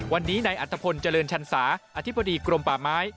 วันนี้นายอัตภพลเจริญชันสาอธิบดีกรมป่าไม้